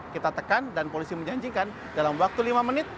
kita tekan dan polisi menjanjikan dalam waktu lima menit